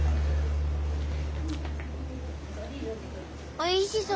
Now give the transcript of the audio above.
おいしそう。